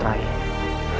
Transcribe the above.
rai syukurlah kamu selamat